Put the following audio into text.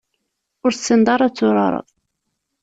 Ur tessineḍ ara ad turareḍ.